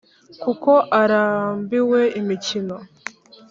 kuko arambiwe imikino